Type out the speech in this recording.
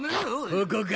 ここか？